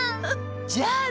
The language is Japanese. じゃあね！